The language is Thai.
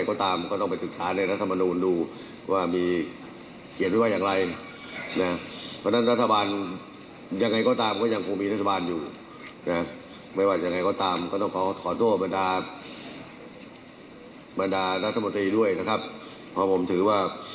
พอผมถือว่าผมได้ทำกับผมเต็มที่แล้ว